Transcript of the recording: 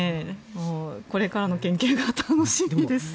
これからの研究が楽しみです。